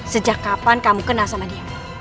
sejak kapan kamu kenal sama dia